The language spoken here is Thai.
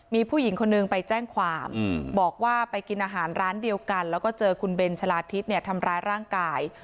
มีผู้หญิงคนนึงไปแจ้งความบอกว่าไปกินอาหารร้านเดียวกันแล้วก็เจอคุณเบนชะลาทิศเนี่ยทำร้ายร่างกาย